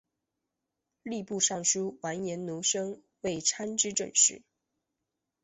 吏部尚书完颜奴申为参知政事。